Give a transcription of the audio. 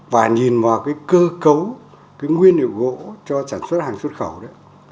và nhìn vào cái cơ cấu cái nguyên liệu gỗ cho sản xuất hàng xuất khẩu đấy